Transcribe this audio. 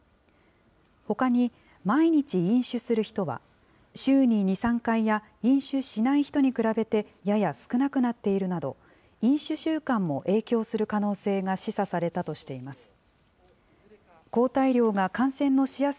ほかに毎日飲酒する人は、週に２、３回や、飲酒しない人に比べて、やや少なくなっているなど、飲酒習慣も影響する可能性が示唆されたとしています。